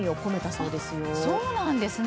そうなんですね。